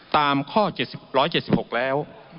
ตามข้อ๑๗๖แล้ว